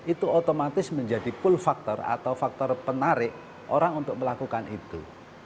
itu otomatis menjadi pull factor atau faktor penarik orang untuk melakukan itu